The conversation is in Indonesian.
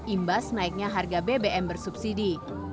imbas naiknya harga bbm bersubsidi